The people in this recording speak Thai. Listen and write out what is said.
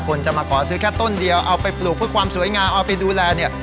คนจะมาขอซื้อแค่ต้นเดียวเอาไปปลูกเพื่อความสวยงามเอาไปดูแลเนี่ย